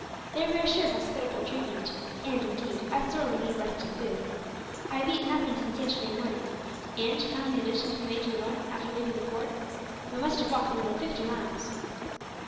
There we are sure of hospitable treatment and, indeed, I sorely need rest and food. I have eaten nothing since yesterday morning and, counting the distance we made to the north after leaving the fort, we must have walked nearly fifty miles."